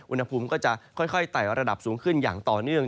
อุณหภูมิก็จะค่อยไต่ระดับสูงขึ้นอย่างต่อเนื่อง